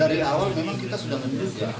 dari awal memang kita sudah menduga